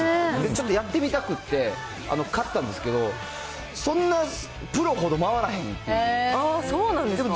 ちょっとやってみたくて、買ったんですけど、そんな、そうなんですか。